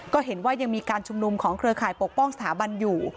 ก็เห็นว่ายังมีการชุมนุมของเครือข่ายปกป้องสถาบันอยู่